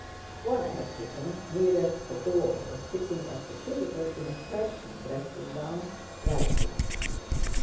One adjutant, nearest the door, was sitting at the table in a Persian dressing gown, writing.